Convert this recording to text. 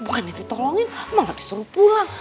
bukan itu tolongin emang gak disuruh pulang